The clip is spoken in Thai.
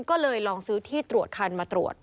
ก็เลยลองซื้อที่ตรวจคันมาตรวจ